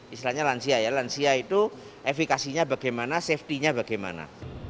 istilahnya lansia ya lansia itu efekasinya bagaimana safety nya bagaimana